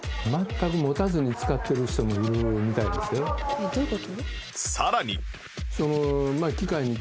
えっどういう事？